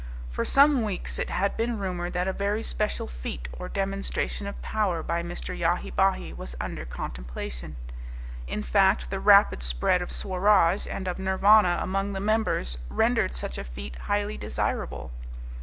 For some weeks it had been rumoured that a very special feat or demonstration of power by Mr. Yahi Bahi was under contemplation. In fact, the rapid spread of Swaraj and of Nirvana among the members rendered such a feat highly desirable.